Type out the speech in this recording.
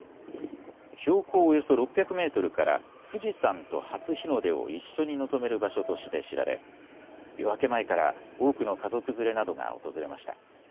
標高およそ６００メートルから富士山と初日の出を一緒に望める場所として知られ夜明け前から多くの家族連れなどが訪れました。